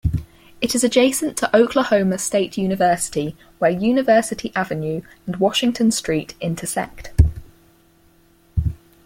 It is adjacent to Oklahoma State University where University Avenue and Washington Street intersect.